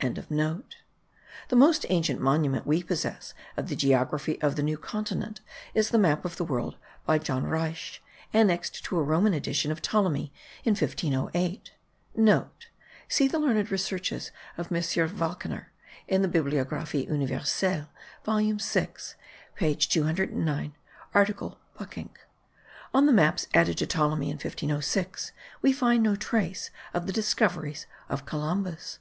The most ancient monument we possess of the geography of the New Continent,* is the map of the world by John Ruysch, annexed to a Roman edition of Ptolemy in 1508. (* See the learned researches of M. Walckenaer, in the Bibliographie Universelle volume 6 page 209 article Buckinck. On the maps added to Ptolemy in 1506 we find no trace of the discoveries of Columbus.)